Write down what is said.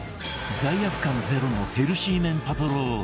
罪悪感ゼロのヘルシー麺パトロール